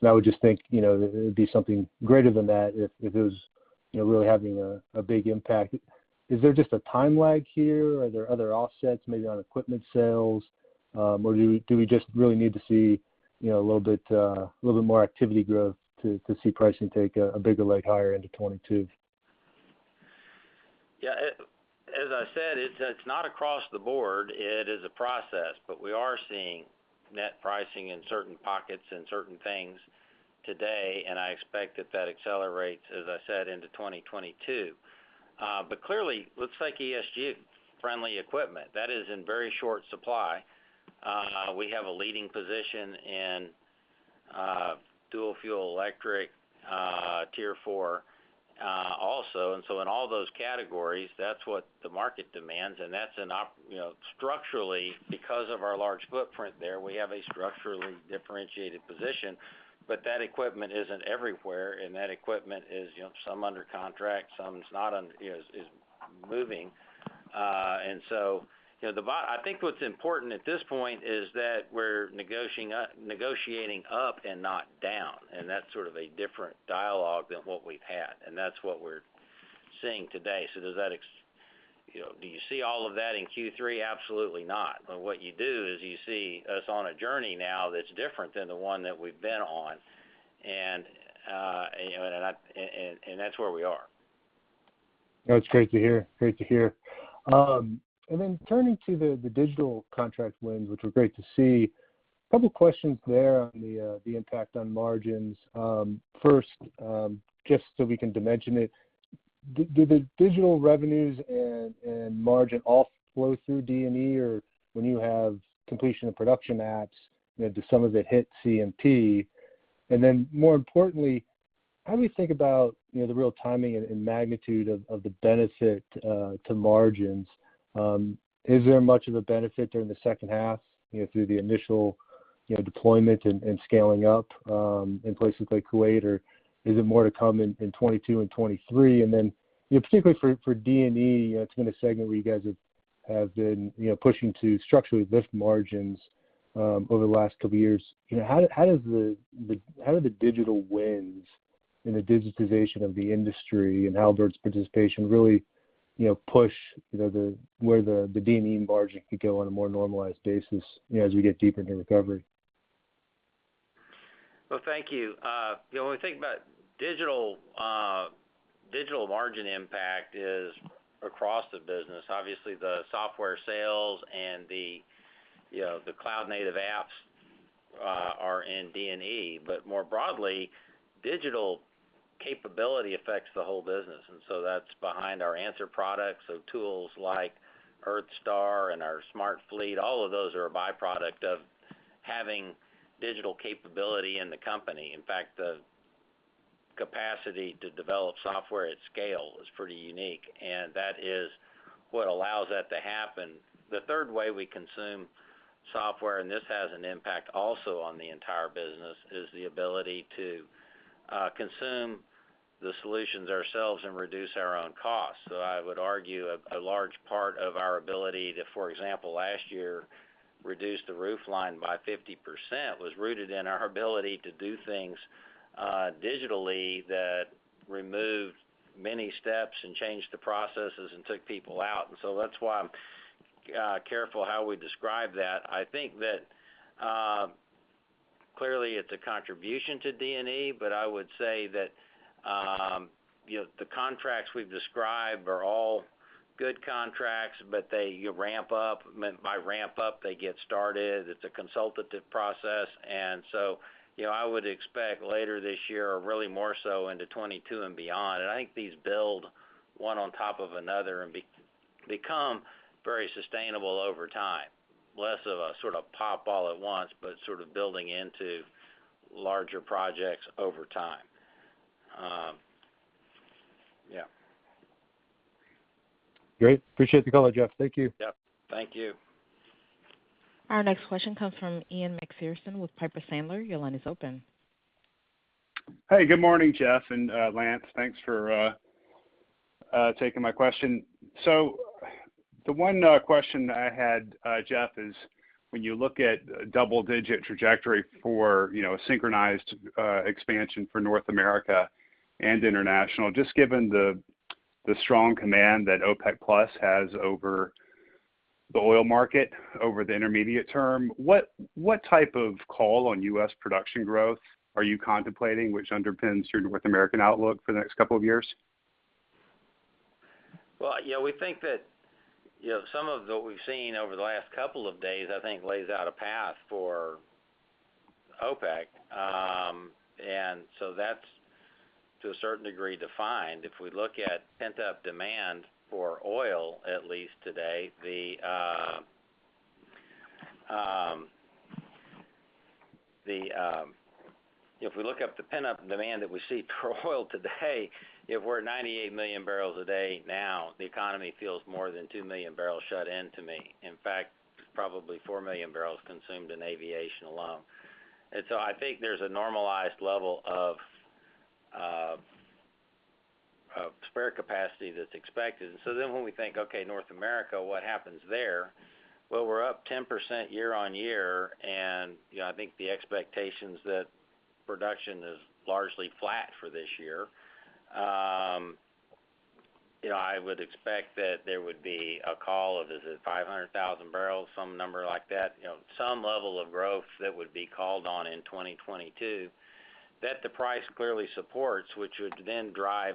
I would just think that it would be something greater than that if it was really having a big impact. Is there just a time lag here? Are there other offsets, maybe on equipment sales? Do we just really need to see a little bit more activity growth to see pricing take a bigger leg higher into 2022? Yeah. As I said, it's not across the board. It is a process. We are seeing net pricing in certain pockets and certain things today. I expect that that accelerates, as I said, into 2022. Clearly, let's take ESG-friendly equipment. That is in very short supply. We have a leading position in dual-fuel electric Tier 4 also. In all those categories, that's what the market demands. Structurally, because of our large footprint there, we have a structurally differentiated position. That equipment isn't everywhere. That equipment is some under contract, some is moving. I think what's important at this point is that we're negotiating up and not down. That's sort of a different dialogue than what we've had. That's what we're seeing today. Do you see all of that in Q3? Absolutely not. What you do is you see us on a journey now that's different than the one that we've been on, and that's where we are. That's great to hear. Turning to the digital contract wins, which were great to see. A couple questions there on the impact on margins. First, just so we can dimension it, do the digital revenues and margin all flow through D&E? Or when you have Completion and Production apps, does some of it hit C&P? More importantly, how do we think about the real timing and magnitude of the benefit to margins? Is there much of a benefit during the second half through the initial deployment and scaling up in places like Kuwait? Is it more to come in 2022 and 2023? Particularly for D&E, it's been a segment where you guys have been pushing to structurally lift margins over the last couple of years. How do the digital wins and the digitization of the industry and Halliburton's participation really push where the D&E margin could go on a more normalized basis as we get deeper into recovery? Well, thank you. When we think about digital margin impact is across the business. Obviously, the software sales and the cloud-native apps are in D&E. More broadly, digital capability affects the whole business, and so that's behind our answer products. Tools like EarthStar and our SmartFleet, all of those are a byproduct of having digital capability in the company. In fact, the capacity to develop software at scale is pretty unique, and that is what allows that to happen. The third way we consume software, and this has an impact also on the entire business, is the ability to consume the solutions ourselves and reduce our own costs. I would argue a large part of our ability to, for example, last year, reduce the roofline by 50%, was rooted in our ability to do things digitally that removed many steps and changed the processes and took people out. That's why I'm careful how we describe that. I think that clearly it's a contribution to D&E, but I would say that the contracts we've described are all good contracts, but they ramp up. By ramp up, they get started. It's a consultative process. I would expect later this year or really more so into 2022 and beyond. I think these build one on top of another and become very sustainable over time. Less of a sort of pop all at once, but sort of building into larger projects over time. Yeah. Great. Appreciate the color Jeff. Thank you. Yep. Thank you. Our next question comes from Ian MacPherson with Piper Sandler. Your line is open. Hey, good morning Jeff and Lance. Thanks for taking my question. The one question I had, Jeff, is when you look at double-digit trajectory for synchronized expansion for North America and international, just given the strong command that OPEC+ has over the oil market, over the intermediate term, what type of call on U.S. production growth are you contemplating which underpins your North American outlook for the next couple of years? Well, we think that some of what we've seen over the last couple of days, I think, lays out a path for OPEC. That's, to a certain degree, defined. If we look at pent-up demand for oil, at least today, if we're at 98 million barrels a day now, the economy feels more than 2 million barrels shut in to me. In fact, probably 4 million barrels consumed in aviation alone. I think there's a normalized level of spare capacity that's expected. When we think, okay, North America, what happens there? Well, we're up 10% year-over-year, and I think the expectation's that production is largely flat for this year. I would expect that there would be a call of, is it 500,000 barrels? Some number like that. Some level of growth that would be called on in 2022 that the price clearly supports, which would then drive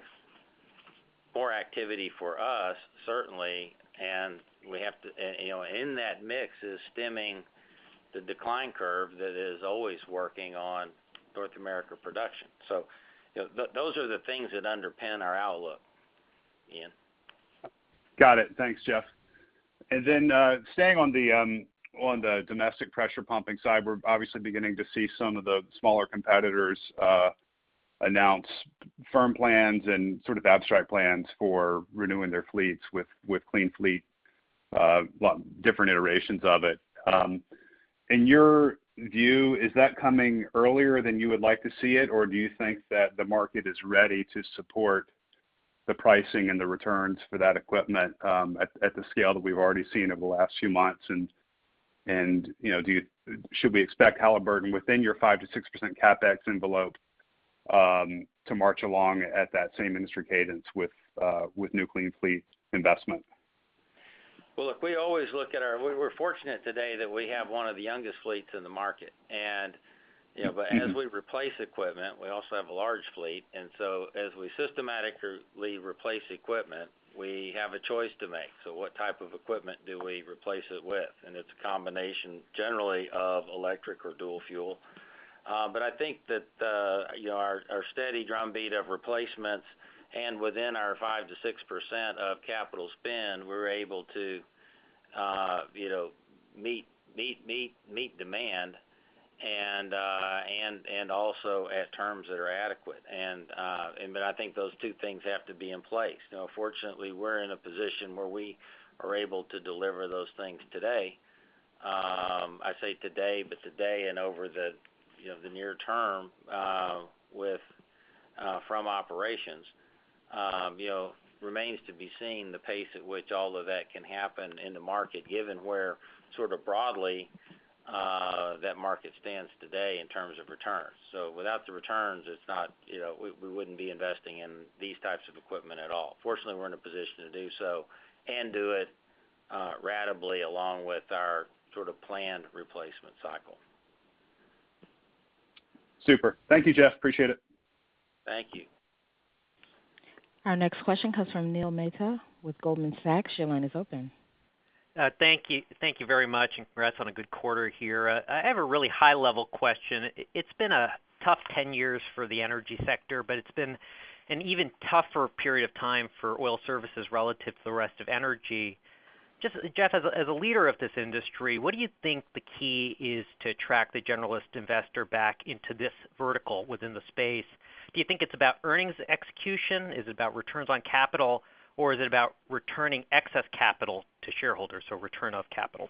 more activity for us, certainly. In that mix is stemming the decline curve that is always working on North America production. Those are the things that underpin our outlook, Ian. Got it. Thanks Jeff. Staying on the domestic pressure pumping side, we're obviously beginning to see some of the smaller competitors announce firm plans and sort of abstract plans for renewing their fleets with clean fleet, well, different iterations of it. In your view, is that coming earlier than you would like to see it, or do you think that the market is ready to support the pricing and the returns for that equipment at the scale that we've already seen over the last few months? Should we expect Halliburton within your 5%-6% CapEx envelope to march along at that same industry cadence with new clean fleet investment? Well, look, we're fortunate today that we have one of the youngest fleets in the market. As we replace equipment, we also have a large fleet. As we systematically replace equipment, we have a choice to make. What type of equipment do we replace it with? It's a combination generally of electric or dual fuel. I think that our steady drumbeat of replacements and within our 5%-6% of capital spend, we're able to meet demand and also at terms that are adequate. I think those two things have to be in place. Fortunately, we're in a position where we are able to deliver those things today. I say today, but today and over the near term from operations. Remains to be seen the pace at which all of that can happen in the market, given where sort of broadly that market stands today in terms of returns. Without the returns, we wouldn't be investing in these types of equipment at all. Fortunately, we're in a position to do so and do it ratably along with our sort of planned replacement cycle. Super. Thank you Jeff. Appreciate it. Thank you. Our next question comes from Neil Mehta with Goldman Sachs. Your line is open. Thank you very much. Congrats on a good quarter here. I have a really high-level question. It's been a tough 10 years for the energy sector. It's been an even tougher period of time for oil services relative to the rest of energy. Jeff, as a leader of this industry, what do you think the key is to attract the generalist investor back into this vertical within the space? Do you think it's about earnings execution? Is it about returns on capital? Is it about returning excess capital to shareholders, so return of capital?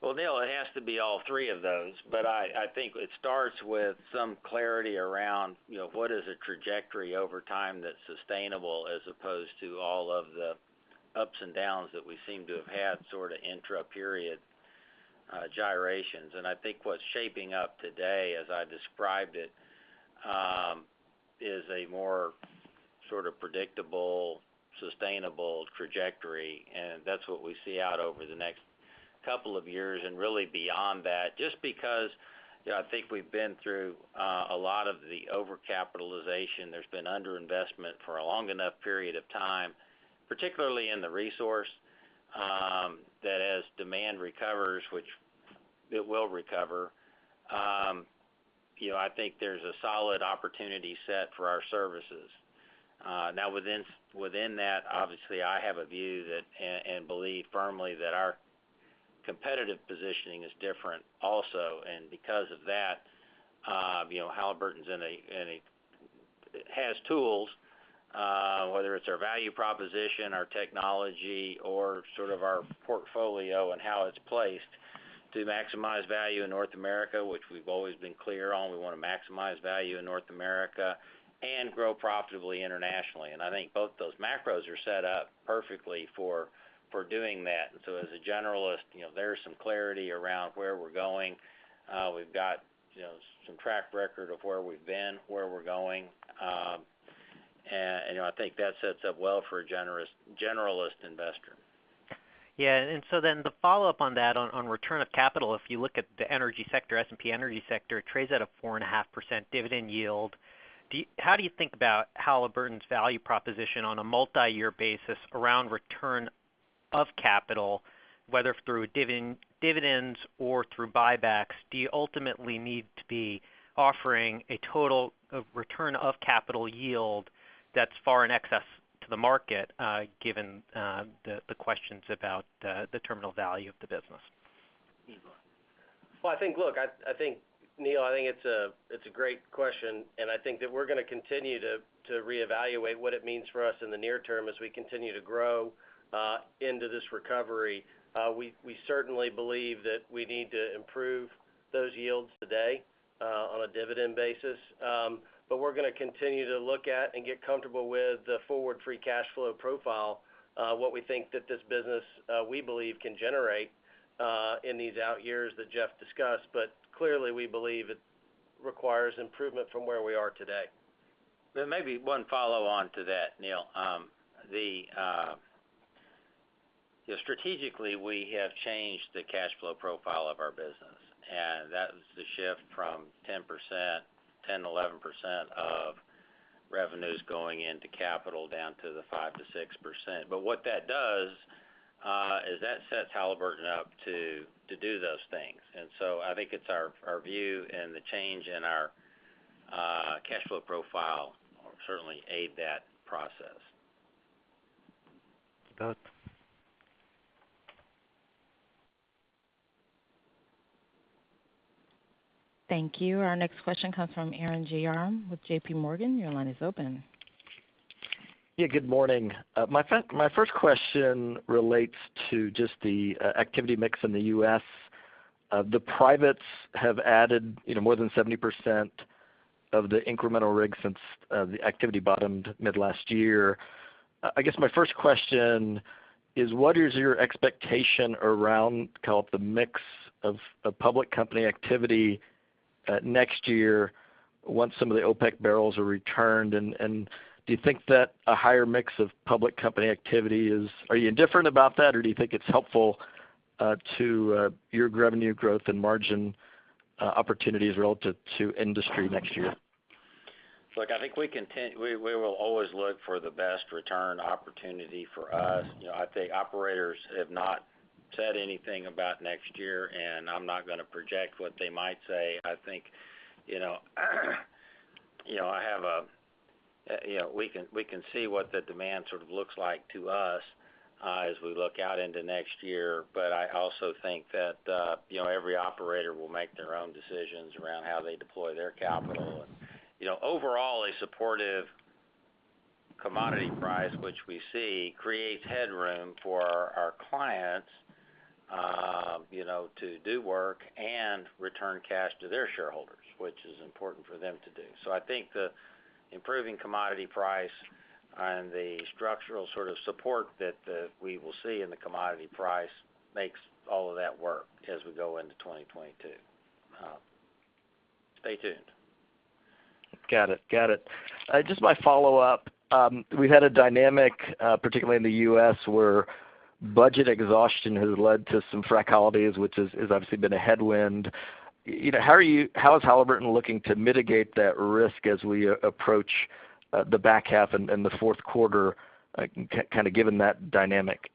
Well, Neil, it has to be all three of those, but I think it starts with some clarity around what is a trajectory over time that's sustainable as opposed to all of the ups and downs that we seem to have had sort of intra-period gyrations. I think what's shaping up today, as I described it, is a more sort of predictable, sustainable trajectory, and that's what we see out over the next two years and really beyond that, just because I think we've been through a lot of the overcapitalization. There's been under-investment for a long enough period of time, particularly in the resource, that as demand recovers, which it will recover, I think there's a solid opportunity set for our services. Now, within that, obviously, I have a view that, and believe firmly that our competitive positioning is different also. Because of that Halliburton has tools, whether it's our value proposition, our technology, or sort of our portfolio and how it's placed to maximize value in North America, which we've always been clear on. We want to maximize value in North America and grow profitably internationally. I think both those macros are set up perfectly for doing that. As a generalist, there's some clarity around where we're going. We've got some track record of where we've been, where we're going. I think that sets up well for a generalist investor. Yeah. The follow-up on that, on return of capital, if you look at the energy sector, S&P energy sector trades at a 4.5% dividend yield. How do you think about Halliburton's value proposition on a multi-year basis around return of capital, whether through dividends or through buybacks? Do you ultimately need to be offering a total of return of capital yield that's far in excess to the market, given the questions about the terminal value of the business? Well, Neil, I think it's a great question. I think that we're going to continue to reevaluate what it means for us in the near term as we continue to grow into this recovery. We certainly believe that we need to improve those yields today on a dividend basis. We're going to continue to look at and get comfortable with the forward free cash flow profile, what we think that this business we believe can generate in these out years that Jeff discussed. Clearly, we believe it requires improvement from where we are today. Maybe one follow-on to that, Neil. Strategically, we have changed the cash flow profile of our business, and that was the shift from 10%, 10%-11% of revenues going into capital down to the 5%-6%. What that does is that sets Halliburton up to do those things. I think it's our view and the change in our cash flow profile certainly aid that process. Got it. Thank you. Our next question comes from Arun Jayaram with JP Morgan. Your line is open. Good morning. My first question relates to just the activity mix in the U.S. The privates have added more than 70% of the incremental rigs since the activity bottomed mid last year. I guess my first question is what is your expectation around call it the mix of public company activity next year once some of the OPEC+ barrels are returned, and do you think that a higher mix of public company activity is different about that, or do you think it's helpful to your revenue growth and margin opportunities relative to industry next year? Look, I think we will always look for the best return opportunity for us. I think operators have not said anything about next year, and I'm not going to project what they might say. I think we can see what the demand sort of looks like to us as we look out into next year. I also think that every operator will make their own decisions around how they deploy their capital. Overall, a supportive commodity price, which we see, creates headroom for our clients to do work and return cash to their shareholders, which is important for them to do. I think the improving commodity price and the structural sort of support that we will see in the commodity price makes all of that work as we go into 2022. Stay tuned. Got it. Just my follow-up. We've had a dynamic, particularly in the U.S., where budget exhaustion has led to some frac holidays, which has obviously been a headwind. How is Halliburton looking to mitigate that risk as we approach the back half and the fourth quarter, kind of given that dynamic?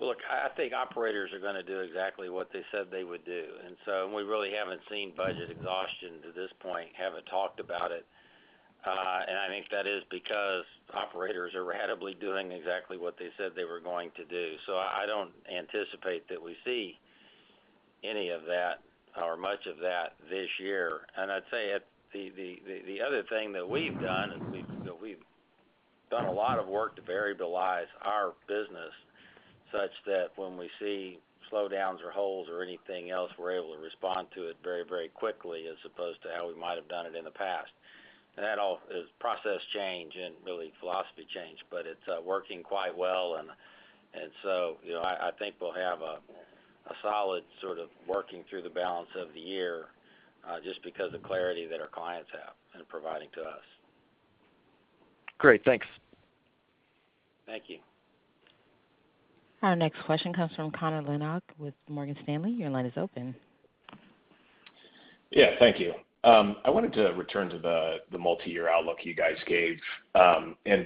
Look, I think operators are going to do exactly what they said they would do. We really haven't seen budget exhaustion to this point, haven't talked about it. I think that is because operators are ratably doing exactly what they said they were going to do. I don't anticipate that we see any of that or much of that this year. I'd say the other thing that we've done is we've done a lot of work to variabilize our business, such that when we see slowdowns or holes or anything else, we're able to respond to it very quickly as opposed to how we might have done it in the past. That all is process change and really philosophy change, but it's working quite well. I think we'll have a solid sort of working through the balance of the year, just because of clarity that our clients have and providing to us. Great. Thanks. Thank you. Our next question comes from Connor Lynagh with Morgan Stanley. Your line is open. Yeah. Thank you. I wanted to return to the multi-year outlook you guys gave.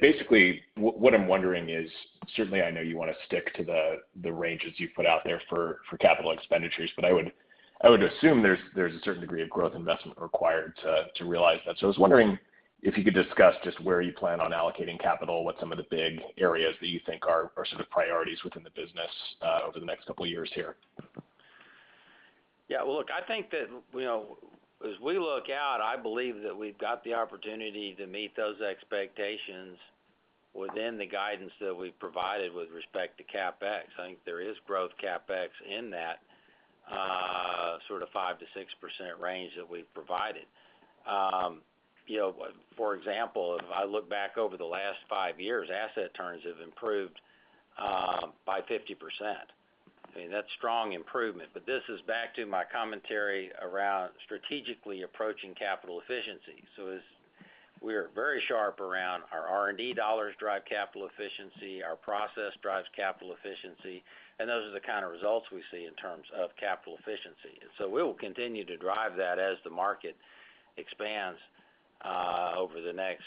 Basically, what I'm wondering is, certainly, I know you want to stick to the ranges you've put out there for capital expenditures, but I would assume there's a certain degree of growth investment required to realize that. I was wondering if you could discuss just where you plan on allocating capital, what some of the big areas that you think are sort of priorities within the business over the next couple of years here. Yeah. Well, look, I think that as we look out, I believe that we've got the opportunity to meet those expectations within the guidance that we've provided with respect to CapEx. I think there is growth CapEx in that sort of 5%-6% range that we've provided. For example, if I look back over the last five years, asset turns have improved by 50%. I mean, that's strong improvement. This is back to my commentary around strategically approaching capital efficiency. As we are very sharp around our R&D dollars drive capital efficiency, our process drives capital efficiency, and those are the kind of results we see in terms of capital efficiency. We will continue to drive that as the market expands over the next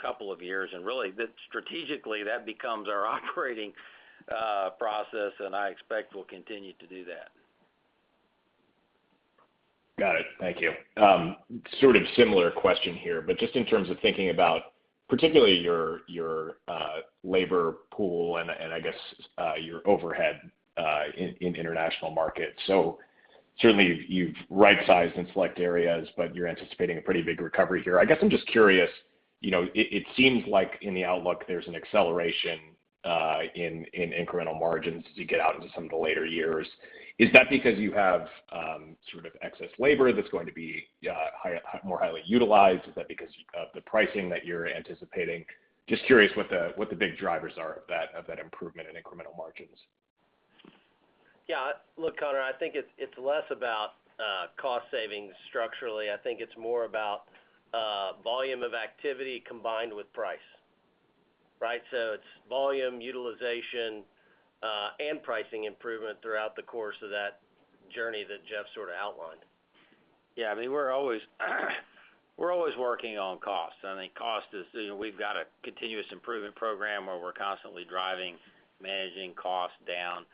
couple of years. Really strategically, that becomes our operating process, and I expect we'll continue to do that. Got it. Thank you. Sort of similar question here, but just in terms of thinking about particularly your labor pool and I guess your overhead in international markets. Certainly, you've right-sized in select areas, but you're anticipating a pretty big recovery here. I guess I'm just curious, it seems like in the outlook, there's an acceleration in incremental margins as you get out into some of the later years. Is that because you have sort of excess labor that's going to be more highly utilized? Is that because of the pricing that you're anticipating? Just curious what the big drivers are of that improvement in incremental margins. Look, Connor, I think it's less about cost savings structurally. I think it's more about volume of activity combined with price. Right? It's volume utilization, and pricing improvement throughout the course of that journey that Jeff sort of outlined. I mean, we're always working on costs. I think cost, we've got a continuous improvement program where we're constantly driving, managing costs down.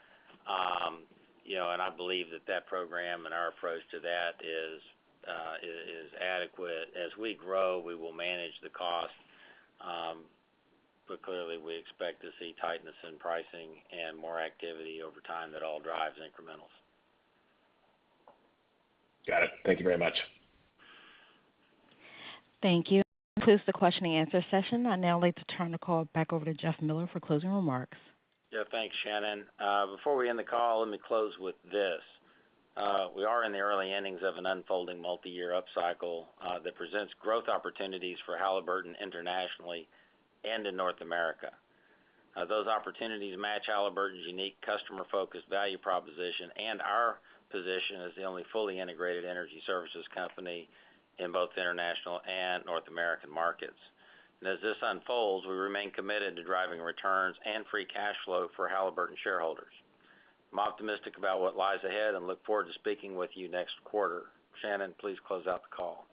I believe that that program and our approach to that is adequate. As we grow, we will manage the cost. Clearly, we expect to see tightness in pricing and more activity over time that all drives incrementals. Got it. Thank you very much. Thank you. This concludes the question and answer session. I'd now like to turn the call back over to Jeff Miller for closing remarks. Yeah. Thanks Shannon. Before we end the call, let me close with this. We are in the early innings of an unfolding multi-year upcycle that presents growth opportunities for Halliburton internationally and in North America. Those opportunities match Halliburton's unique customer-focused value proposition and our position as the only fully integrated energy services company in both international and North American markets. As this unfolds, we remain committed to driving returns and free cash flow for Halliburton shareholders. I'm optimistic about what lies ahead and look forward to speaking with you next quarter. Shannon, please close out the call.